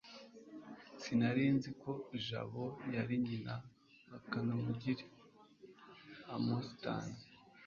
sinari nzi ko jabo yari nyina wa kanamugire(amastan